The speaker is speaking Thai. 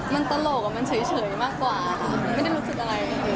มันตลกมันเฉยมากกว่าค่ะมันไม่ได้รู้สึกอะไร